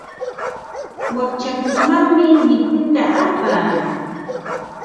Wakchakunamanmi mikuyta apaa.